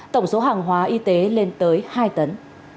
tổng số hàng hóa y tế lên tới hai tấn